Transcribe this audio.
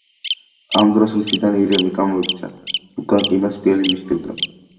ამ დროს მთიდან ირემი გამოიქცა, უკან კი მას მგელი მისდევდა.